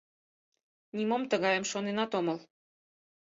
— Нимом тыгайым шоненат омыл...